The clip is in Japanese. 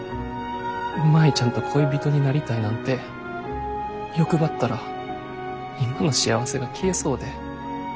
舞ちゃんと恋人になりたいなんて欲張ったら今の幸せが消えそうで。